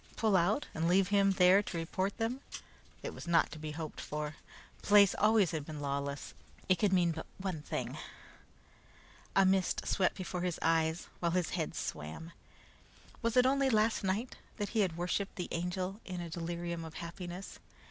Pull out, and leave him there to report them? It was not to be hoped for. The place always had been lawless. It could mean but one thing. A mist swept before his eyes, while his head swam. Was it only last night that he had worshiped the Angel in a delirium of happiness?